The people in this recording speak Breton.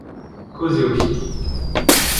Kozh eo-hi.